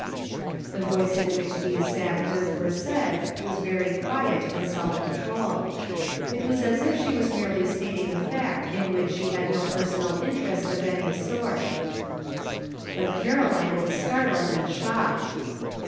The voice in which these sad words were said was very quiet and self controlled. It was as if she was merely stating a fact in which she had no personal interest of any sort ; but Caroline was startled and shocked.